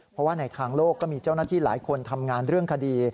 เพราะว่าในทางโลกก็มีเจ้าหน้าที่หลายคนทำงานเรื่องคดี